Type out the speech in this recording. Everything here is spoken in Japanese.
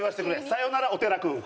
さよならお寺君。